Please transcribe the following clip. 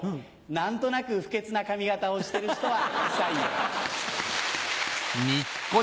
何となく不潔な髪形をしてる人は不採用。